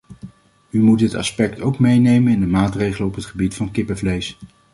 U moet dit aspect ook meenemen in de maatregelen op het gebied van kippenvlees.